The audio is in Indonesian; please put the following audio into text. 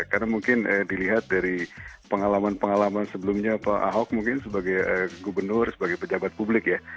karena mungkin dilihat dari pengalaman pengalaman sebelumnya pak ahok mungkin sebagai gubernur sebagai pejabat publik ya